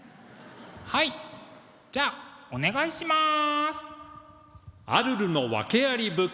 はいじゃあお願いします。